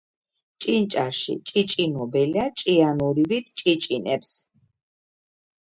ჭინჭარში ჭიჭინობელა ჭიანურივით ჭიჭინებს.